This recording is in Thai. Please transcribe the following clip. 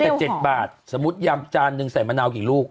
แต่๗บาทสมมุติยำจานนึงใส่มะนาวกี่ลูก